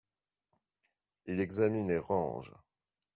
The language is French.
Il examine et range.